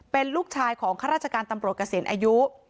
เป็นลูกชายของข้าราชการตำรวจเกษียณอายุ